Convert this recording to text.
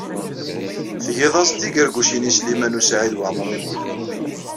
Tgiḍ-as-d tigargucin i Sliman U Saɛid Waɛmaṛ U Muḥ.